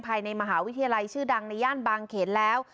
ภายในมหาวิทยาลัยชื่อดังในย่านบางเขนแล้ว